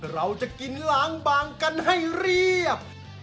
เราจะกินล้างบางกันให้เรียบ